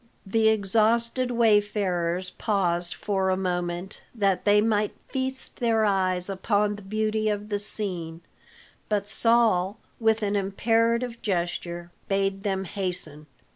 The exhausted wayfarers paused for a moment that they might feast their eyes upon the beauty of the scene, but Saul, with an imperative gesture, bade them hasten.